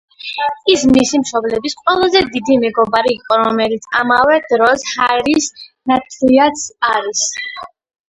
ის მისი მშობლების ყველაზე დიდი მეგობარი იყო, რომელიც ამავე დროს, ჰარის ნათლიაც არის.